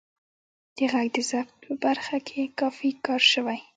د غږ د ثبت په برخه کې کافی کار شوی